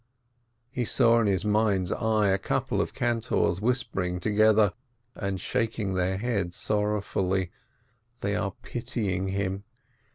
He saw in his mind's eye a couple of cantors whispering together, and shaking their heads sorrowfully: they are pitying him!